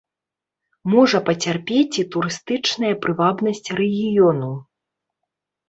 Можа пацярпець і турыстычная прывабнасць рэгіёну.